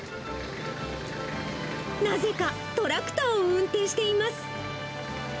なぜかトラクターを運転しています。